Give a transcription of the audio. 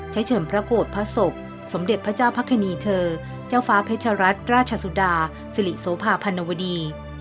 เชิญพระโกรธพระศพสมเด็จพระเจ้าพระคณีเธอเจ้าฟ้าเพชรัตนราชสุดาสิริโสภาพันวดี